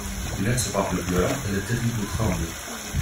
L'inexorable pleure et les terribles tremblent ;